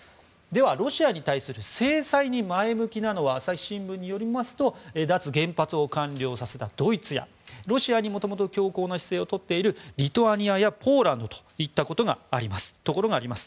ロシアに対する制裁に前向きなのは朝日新聞によりますと脱原発を完了させたドイツや、ロシアにもともと強硬な姿勢をとっているリトアニアやポーランドといったところがあります。